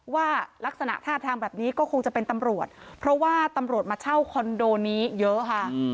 ว่าลักษณะท่าทางแบบนี้ก็คงจะเป็นตำรวจเพราะว่าตำรวจมาเช่าคอนโดนี้เยอะค่ะ